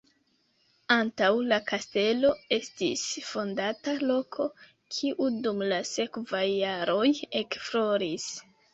Antaŭ la kastelo estis fondata loko, kiu dum la sekvaj jaroj ekfloris.